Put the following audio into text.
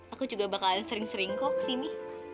aku juga bakalan sering sering kok kesini